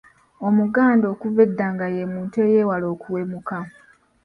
Omuganda okuva edda nga ye muntu eyeewala okuwemuka.